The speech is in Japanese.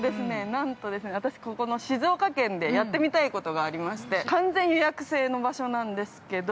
なんと、私、ここの静岡県でやってみたいことがありまして完全予約制の場所なんですけど。